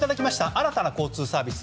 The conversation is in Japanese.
新たな交通サービス